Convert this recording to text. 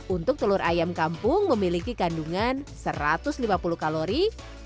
untuk telur ayam kampung memiliki kandungan satu ratus lima puluh kalori